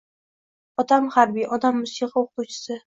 — Otam harbiy, onam musiqa oʻqituvchisi.